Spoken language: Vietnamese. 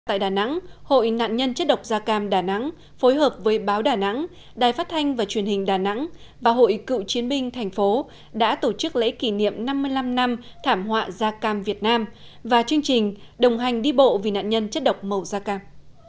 tại đà nẵng hội nạn nhân chất độc da cam đà nẵng phối hợp với báo đà nẵng đài phát thanh và truyền hình đà nẵng và hội cựu chiến binh thành phố đã tổ chức lễ kỷ niệm năm mươi năm năm thảm họa da cam việt nam và chương trình đồng hành đi bộ vì nạn nhân chất độc màu da cam